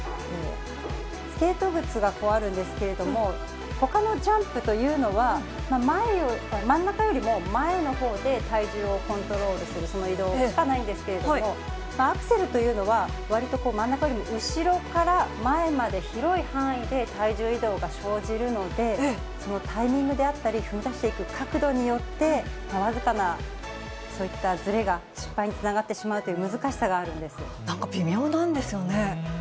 スケート靴がこうあるんですけれども、ほかのジャンプというのは、真ん中よりも前のほうで体重をコントロールする、その移動しかないんですけれども、アクセルというのは、わりと真ん中よりも後ろから前まで、広い範囲で体重移動が生じるので、そのタイミングであったり、踏み出していく角度によって、僅かなそういったずれが失敗につながってしまうという難しさがあなんか微妙なんですよね。